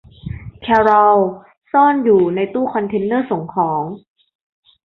แครอลซ่อนอยู่ในตู้คอนเทนเนอร์ส่งของ